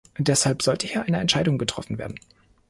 Deshalb sollte hier eine Entscheidung getroffen werden.